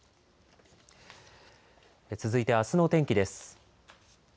続いて、あすの天気です。